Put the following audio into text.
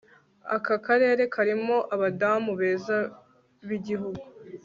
aka karere karimo abadamu beza b'igihugu